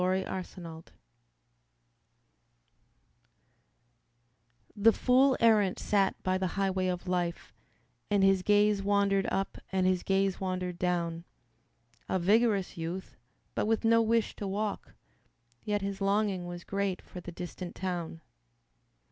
The Fool Errant The Fool Errant sat by the highway of life And his gaze wandered up and his gaze wandered down, A vigorous youth, but with no wish to walk, Yet his longing was great for the distant town.